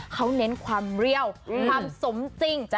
เขาเน้นความเรี่ยวความสมจริง